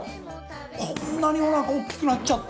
こんなにおなかおっきくなっちゃって！